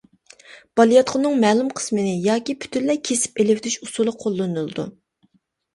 بالىياتقۇنىڭ مەلۇم قىسمىنى ياكى پۈتۈنلەي كېسىپ ئېلىۋېتىش ئۇسۇلى قوللىنىلىدۇ.